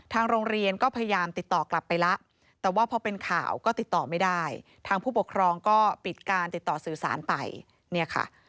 ทางโรงเรียนก็พยายามติดต่อกลับไปแล้วแต่ว่าพอเป็นข่าวก็ติดต่อไม่ได้ทางผู้ปกครองก็ปิดการติดต่อสื่อสารไปเนี่ยค่ะ